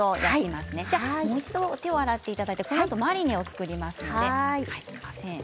もう一度、手を洗っていただいてこのあとマリネを作ります。